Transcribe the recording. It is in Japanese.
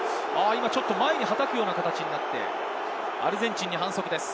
ちょっと前に、はたくような形になって、アルゼンチンに反則です。